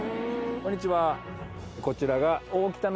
こんにちは。